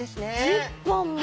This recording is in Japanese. １０本も！